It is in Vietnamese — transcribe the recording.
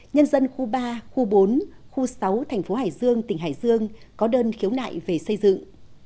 nhân dân khu ba khu bốn khu sáu thành phố hải dương tỉnh hải dương có đơn khiếu nại về xây dựng